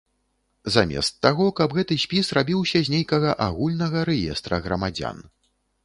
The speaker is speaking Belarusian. Замест таго, каб гэты спіс рабіўся з нейкага агульнага рэестра грамадзян.